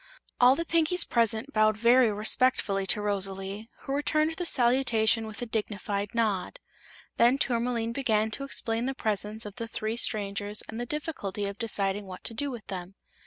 All the Pinkies present bowed very respectfully to Rosalie, who returned the salutation with a dignified nod. Then Tourmaline began to explain the presence of the three strangers and the difficulty of deciding what to do with them.